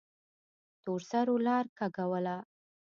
تورسرو لار کږوله.